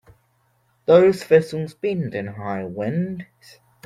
Those thistles bend in a high wind.